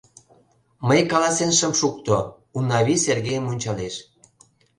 Мый каласен шым шукто, — Унавий Сергейым ончалеш.